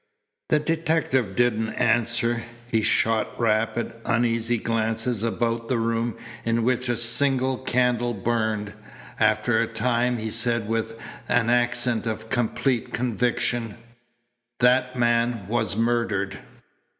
The detective didn't answer. He shot rapid, uneasy glances about the room in which a single candle burned. After a time he said with an accent of complete conviction: "That man was murdered."